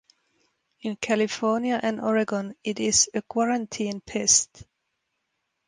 In California and Oregon, it is a Quarantine pest.